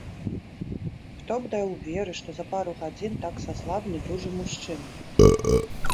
Хто б даў веры, што за пару гадзін так саслабне дужы мужчына?